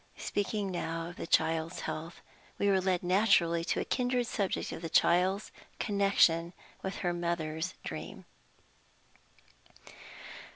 Speaking now of the child's health, we were led naturally to the kindred subject of the child's connection with her mother's dream.